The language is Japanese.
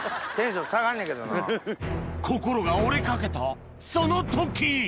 心が折れかけたその時！